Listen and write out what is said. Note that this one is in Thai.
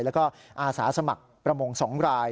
แล้วก็อาสาสมัครประมง๒ราย